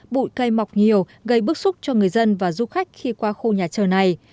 bụi cây mọc nhiều gây bức xúc cho người dân và du khách khi qua khu nhà chờ này